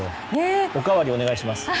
おかわりお願いします。